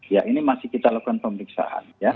ya ini masih kita lakukan pemeriksaan